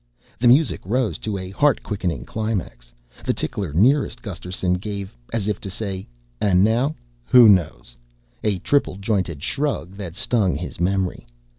The music rose to a heart quickening climax. The tickler nearest Gusterson gave (as if to say, "And now who knows?") a triple jointed shrug that stung his memory.